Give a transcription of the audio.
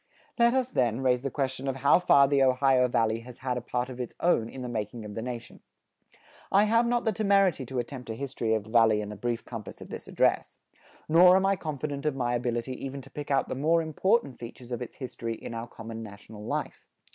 Let us, then, raise the question of how far the Ohio Valley has had a part of its own in the making of the nation. I have not the temerity to attempt a history of the Valley in the brief compass of this address. Nor am I confident of my ability even to pick out the more important features of its history in our common national life.